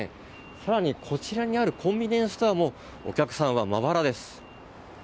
更に、こちらにあるコンビニエンスストアもお客さんはまばらです。